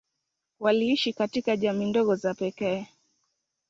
Waliishi katika jamii ndogo za pekee.